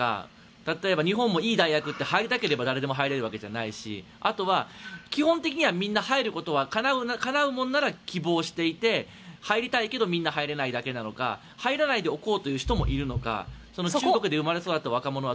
例えば日本も、いい大学って入りたくても誰でも入れるわけじゃないしあとは、基本的にはみんなは入ることがかなうなら希望していて、入りたいけどみんなは入れないだけなのか入らないでおこうとする人もいるのか中国で生まれ育った若者は。